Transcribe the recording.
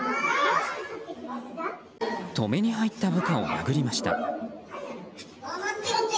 止めに入った部下を殴りました。